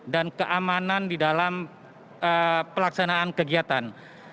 dan keamanan di dalam pelaksanaan kegiatan